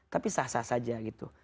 tapi sah sah saja gitu